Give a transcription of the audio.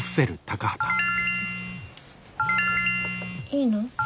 いいの？